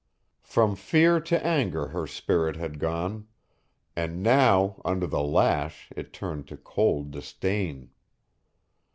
From fear to anger her spirit had gone, and now under the lash it turned to cold disdain.